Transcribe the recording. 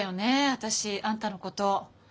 私あんたのこと。